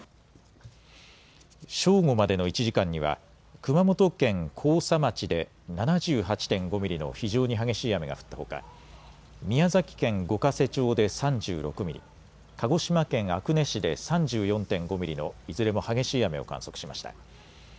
正午までの１時間には熊本県甲佐町で７８．５ミリの非常に激しい雨が降ったほか宮崎県五ヶ瀬町で３６ミリ、鹿児島県阿久根市で３４．５ミリのいずれも激しい雨を観測しました。